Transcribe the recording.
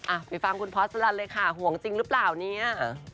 ไปฟังคุณพอสสุลันเลยค่ะห่วงจริงหรือเปล่าเนี่ย